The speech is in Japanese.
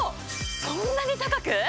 そんなに高く？